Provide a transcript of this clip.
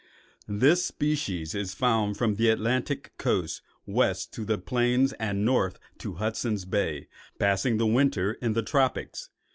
This species is found from the Atlantic coast west to the plains and north to Hudson's Bay, passing the winter in the tropics.